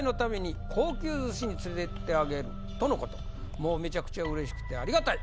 「もうめちゃくちゃ嬉しくてありがたい。